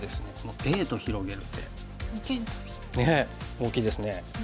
大きいですね。